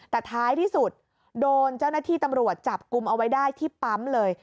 แต่ท้ายที่สุดโดนเจ้าหน้าที่ตำรวจจับกลุ่มเอาไว้ได้ที่ปั๊มเลย